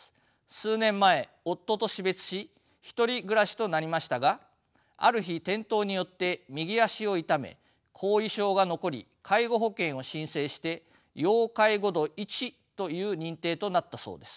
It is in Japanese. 数年前夫と死別し１人暮らしとなりましたがある日転倒によって右足を痛め後遺症が残り介護保険を申請して要介護度１という認定となったそうです。